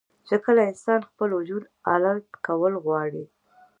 چې کله انسان خپل وجود الرټ کول غواړي